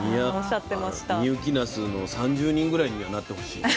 深雪なすの３０人ぐらいにはなってほしいよね。